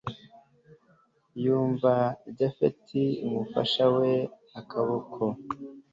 yumva japhet amufashe akaboko